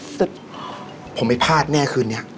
แต่ผมไม่พลาดแน่คืนนี้